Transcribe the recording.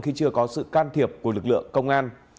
khi chưa có sự can thiệp của lực lượng công an